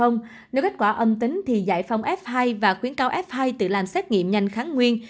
nếu kết quả âm tính thì giải phong f hai và khuyến cáo f hai tự làm xét nghiệm nhanh kháng nguyên